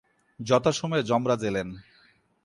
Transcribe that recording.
যথা সময়ে যম রাজ এলেন।